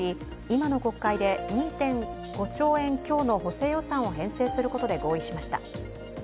今の国会で２．５兆円強の補正予算を編成することで合意しました。